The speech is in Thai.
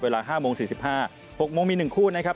เวลา๕โมง๔๕๖โมงมี๑คู่นะครับ